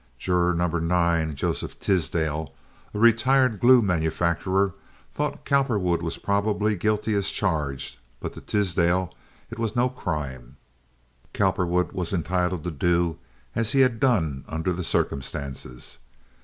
Juror No. 9, Joseph Tisdale, a retired glue manufacturer, thought Cowperwood was probably guilty as charged, but to Tisdale it was no crime. Cowperwood was entitled to do as he had done under the circumstances.